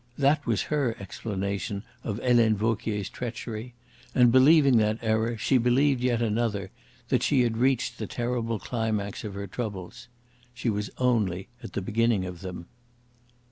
That was her explanation of Helene Vauquier's treachery; and believing that error, she believed yet another that she had reached the terrible climax of her troubles. She was only at the beginning of them.